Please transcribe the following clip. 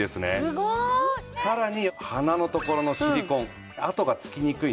すごい！さらに鼻のところのシリコン跡がつきにくいんですね。